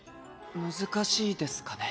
難しいですかね？